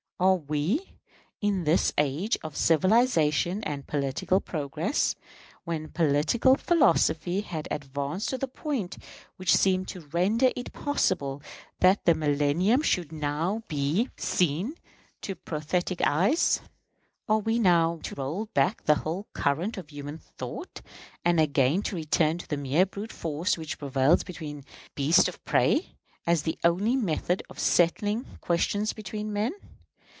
Are we, in this age of civilization and political progress, when political philosophy had advanced to the point which seemed to render it possible that the millennium should now be seen by prophetic eyes are we now to roll back the whole current of human thought, and again to return to the mere brute force which prevails between beasts of prey, as the only method of settling questions between men?